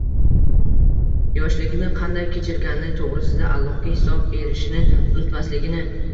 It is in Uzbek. Yoshligini qanday kechirgani to'g'risida Allohga hisob berishini unutmasligini